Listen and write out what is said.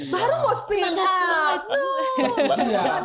baru mau speak up